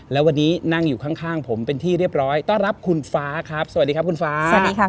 แล้ววันนี้นั่งอยู่ข้างผมเป็นที่เรียบร้อยต้อนรับคุณฟ้าครับสวัสดีครับคุณฟ้าสวัสดีค่ะ